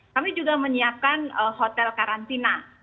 kami juga menyiapkan hotel karantina